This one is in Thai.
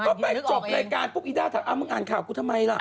ก็ไปจบรายการปุ๊บอีด้าถามมึงอ่านข่าวกูทำไมล่ะ